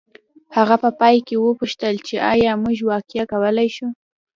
هغه په پای کې وپوښتل چې ایا موږ واقعیا کولی شو